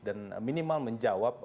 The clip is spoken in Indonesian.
dan minimal menjawab